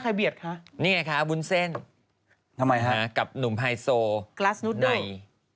ทำไมครับกับหนุ่มไฮโซในกลั๊สนูดดูล